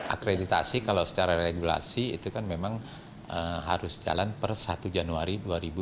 akreditasi kalau secara regulasi itu kan memang harus jalan per satu januari dua ribu dua puluh